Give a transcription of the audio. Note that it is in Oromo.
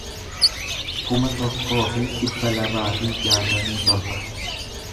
kuma tokkoo fi dhibba lamaa fi jaatamii torba